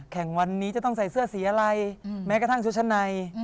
แข่งวันนี้จะต้องใส่เสื้อสีอะไรแม้กระทั่งชุดชั้นใน